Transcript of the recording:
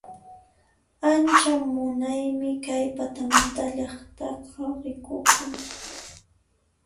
Ancha munaymi kay patamanta llaqtaqa rikukun